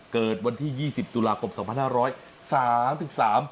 เกิดวันที่ยี่สิบตุลาคมสองพันห้าร้อยสามสิบสาม